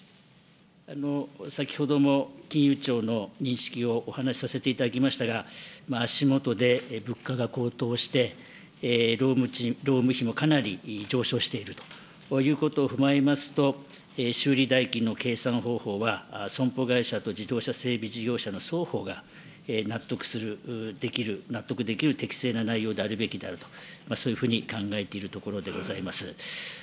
先ほども金融庁の認識をお話しさせていただきましたが、足下で物価が高騰して、労務費もかなり上昇しているということを踏まえますと、修理代金の計算方法は、損保会社と自動車整備事業者の双方が納得する、できる、納得できる適正な内容であるべきだと、そういうふうに考えているところでございます。